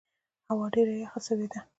هوا ډېره یخه سوې ده.